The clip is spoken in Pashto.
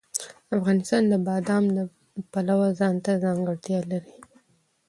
افغانستان د بادام د پلوه ځانته ځانګړتیا لري.